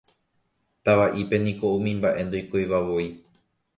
Tavaʼípe niko umi mbaʼe ndoikoivavoi.